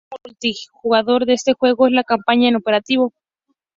El único modo multijugador de este juego es la campaña en cooperativo.